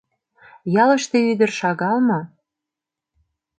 Ялыште ӱдыр шагал мо?